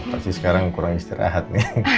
pasti sekarang kurang istirahat nih